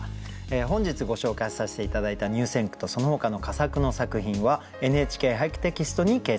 本日ご紹介させて頂いた入選句とそのほかの佳作の作品は「ＮＨＫ俳句」テキストに掲載されます。